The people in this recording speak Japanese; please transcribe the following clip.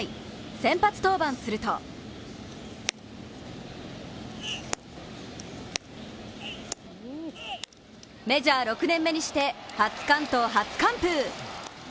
先発登板するとメジャー６年目にして初完投・初完封。